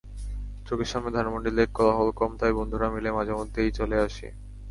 চোখের সামনে ধানমন্ডি লেক, কোলাহল কম, তাই বন্ধুরা মিলে মাঝেমধ্যেই চলে আসি।